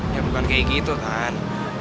ya bukan kayak gitu kan